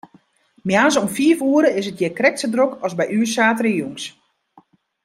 Moarns om fiif oere is it hjir krekt sa drok as by ús saterdeitejûns.